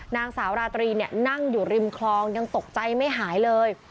นางสาวราตรีเนี่ยนั่งอยู่ริมคลองยังตกใจไม่หายเลย